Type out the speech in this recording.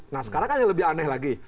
nah sekarang kan yang lebih aneh lagi